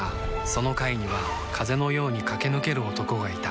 その階には風のように駆け抜ける男がいた